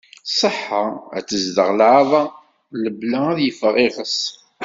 Ṣṣeḥḥa ad tezdeɣ laɛḍam, lebla ad yeffeɣ iɣess.